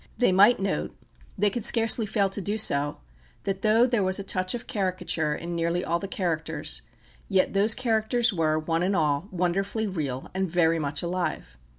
They might note they could scarcely fail to do so that though there was a touch of caricature in nearly all the characters, yet those characters were, one and all, wonderfully real, and very much alive.